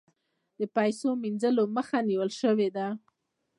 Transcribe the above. د پیسو مینځلو مخه نیول شوې ده؟